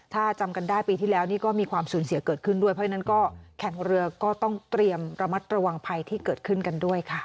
ถ้าจำกันได้ปีที่แล้วนี่ก็มีความสูญเสียเกิดขึ้นด้วยเพราะฉะนั้นก็แข่งเรือก็ต้องเตรียมระมัดระวังภัยที่เกิดขึ้นกันด้วยค่ะ